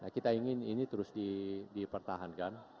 kita ingin ini terus dipertahankan